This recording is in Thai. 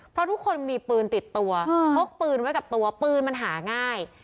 เพราะทุกคนมีปืนติดตัวพกปืนไว้กับตัวปืนมันหาง่าย